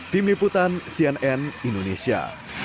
tim liputan cnn indonesia